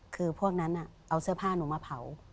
คือพวกนั้นเอาเสื้อผ้าหนูมาเผา